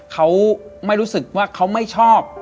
เขาไม่รู้สึกว่าเขาไม่ชอบ